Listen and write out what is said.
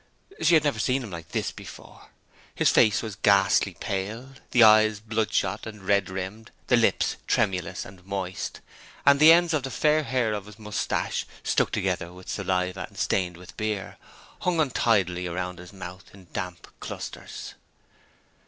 She had never seen him like this before. His face was ghastly pale, the eyes bloodshot and red rimmed, the lips tremulous and moist, and the ends of the hair of his fair moustache, stuck together with saliva and stained with beer, hung untidily round his mouth in damp clusters.